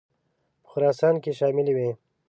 په خراسان کې شاملي وې.